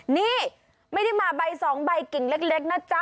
นี่ไม่ได้มาใบสองใบกิ่งเล็กนะจ๊ะ